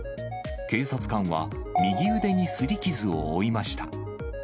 警察官は右腕にすり傷を負いました。